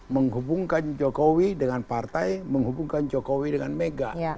menghubungkan jokowi dengan partai menghubungkan jokowi dengan mega